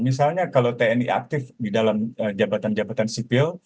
misalnya kalau tni aktif di dalam jabatan jabatan sipil